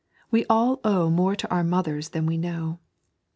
We all owe more to our mothers than we know.